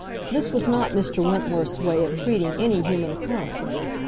This was not Mr. Wentworth's way of treating any human occurrence.